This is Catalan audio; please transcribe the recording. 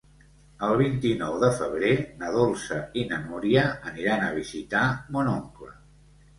El vint-i-nou de febrer na Dolça i na Núria aniran a visitar mon oncle.